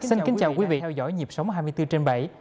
xin kính chào quý vị theo dõi nhịp sống hai mươi bốn trên bảy